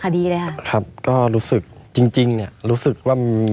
ไม่มีครับไม่มีครับ